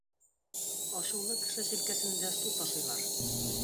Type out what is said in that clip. Ачулы кеше җилкәсендә су ташыйлар.